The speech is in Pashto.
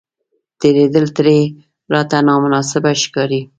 تېرېدل ترې راته نامناسبه ښکاري.